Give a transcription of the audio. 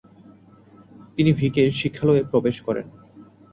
তিনি ভিকের শিক্ষালয়ে প্রবেশ করেন।